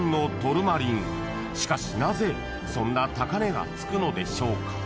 ［しかしなぜそんな高値が付くのでしょうか？］